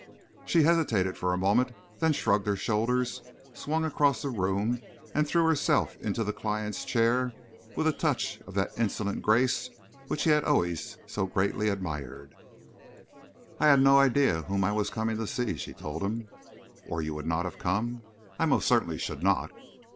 She hesitated for a moment, then shrugged her shoulders, swung across the room, and threw herself into the client's chair with a touch of that insolent grace which he had always so greatly admired. "I had no idea whom I was coming to see," she told him. "Or you would not have come?" "I most certainly should not."